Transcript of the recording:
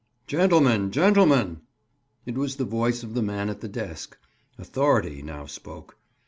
"Gentlemen! Gentlemen!" It was the voice of the man at the desk. Authority now spoke.